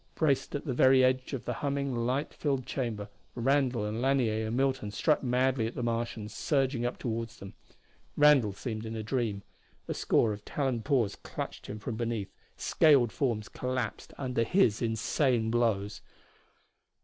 Braced at the very edge of the humming, light filled chamber, Randall and Lanier and Milton struck madly at the Martians surging up toward them. Randall seemed in a dream. A score of taloned paws clutched him from beneath; scaled forms collapsed under his insane blows.